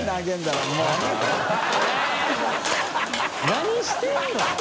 何してるの？